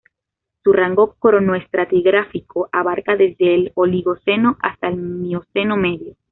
Su rango cronoestratigráfico abarca desde el Oligoceno hasta el Mioceno medio.